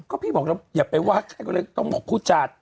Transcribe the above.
เพราะพี่บอกเราอย่าไปว่าต้องบอกผู้จัด